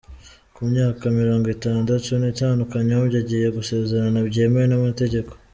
Ku myaka mirongitandatu nitanu Kanyombya agiye gusezerana byemewe n’amategeko